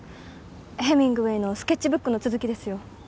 ヘミングウェイのスケッチブックの続きですよ。